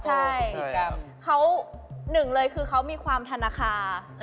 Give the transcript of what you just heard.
ใช่เขาหนึ่งเลยคือเขามีความธนาคาร